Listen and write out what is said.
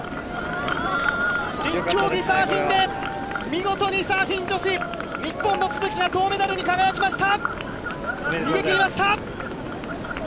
新競技、サーフィンで、見事にサーフィン女子、日本の都筑が銅メダルに輝きました。